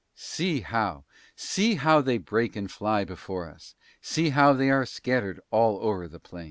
See how, see how, they break and fly before us! See how they are scattered all over the plain!